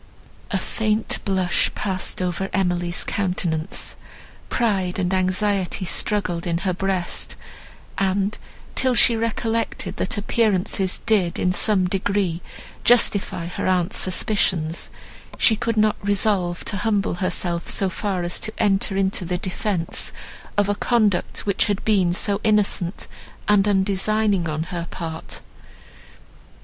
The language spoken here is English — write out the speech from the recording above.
A faint blush passed over Emily's countenance; pride and anxiety struggled in her breast; and, till she recollected, that appearances did, in some degree, justify her aunt's suspicions, she could not resolve to humble herself so far as to enter into the defence of a conduct, which had been so innocent and undesigning on her part.